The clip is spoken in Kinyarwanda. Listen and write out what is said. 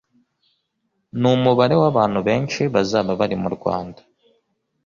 n’umubare w’abantu benshi bazaba bari mu Rwanda